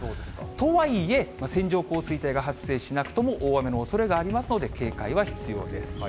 とはいえ、線状降水帯が発生しなくとも、大雨のおそれがありますので警戒は必要です。